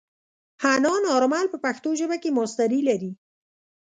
حنان آرمل په پښتو ژبه کې ماسټري لري.